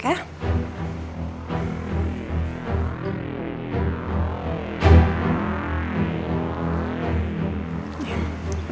bisa aku blok ya